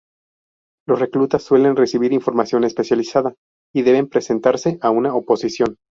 Los reclutas suelen recibir formación especializada y deben presentarse a una oposición.